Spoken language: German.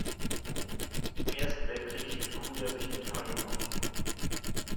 Im Ersten Weltkrieg hielt Kruja sich in Italien auf.